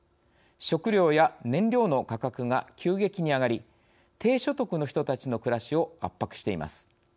食糧や燃料の価格が急激に上がり低所得の人たちの暮らしを圧迫しています。